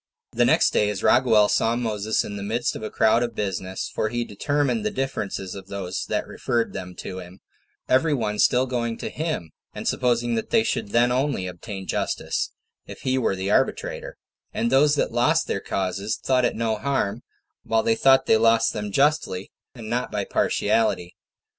1. The next day, as Raguel saw Moses in the middle of a crowd of business for he determined the differences of those that referred them to him, every one still going to him, and supposing that they should then only obtain justice, if he were the arbitrator; and those that lost their causes thought it no harm, while they thought they lost them justly, and not by partiality.